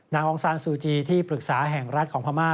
องซานซูจีที่ปรึกษาแห่งรัฐของพม่า